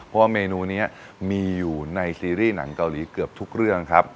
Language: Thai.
เพราะว่าเมนูนี้มีอยู่ในซีรีส์หนังเกาหลีเกือบทุกเรื่องครับ